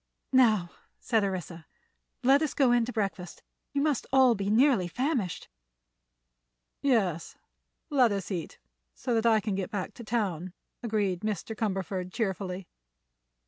"Now," said Orissa, "let us go in to breakfast. You must all be nearly famished." "Yes; let us eat, so that I can get back to town," agreed Mr. Cumberford, cheerfully.